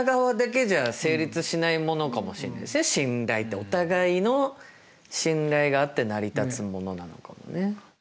お互いの信頼があって成り立つものなのかもね。